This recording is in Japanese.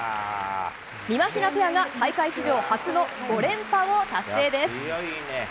みまひなペアが、大会史上初の５連覇を達成です。